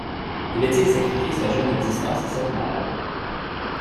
Devait-il sacrifier sa jeune existence à cette malade.